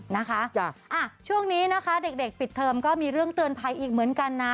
นะคะจ้ะช่วงนี้นะคะเด็กปิดเทอมก็มีเรื่องเตือนภัยอีกเหมือนกันนะ